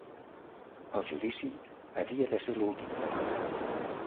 El judici havia de ser l'últim.